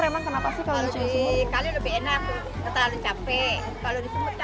enggak enggak pernah gatel